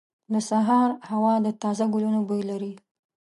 • د سهار هوا د تازه ګلونو بوی لري.